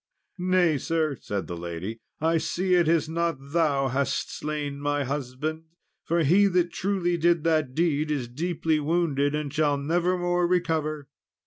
"Nay, sir," said the lady, "I see it is not thou hast slain my husband, for he that truly did that deed is deeply wounded, and shall never more recover."